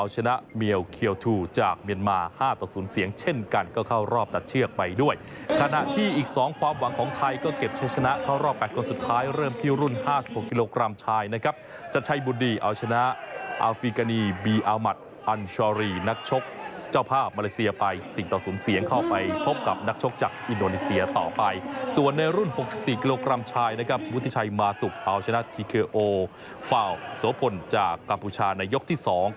จัดเชือกไปด้วยคณะที่อีก๒ความหวังของไทยก็เก็บใช้ชนะเข้ารอบ๘คนสุดท้ายเริ่มที่รุ่น๕๖กิโลกรัมชายนะครับจัดใช้บุดดีเอาชนะอาฟิกานีบีอามัดอันชอรีนักชกเจ้าพ่อมาเลเซียไป๔๐เสียงเข้าไปพบกับนักชกจากอินโดนีเซียต่อไปส่วนในรุ่น๖๔กิโลกรัมชายนะครับวุฒิชัยมาสุปเอาชนะท